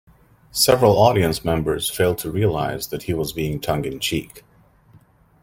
Several audience members failed to realise that he was being tongue in cheek.